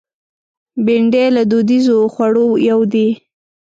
بېنډۍ له دودیزو خوړو یو دی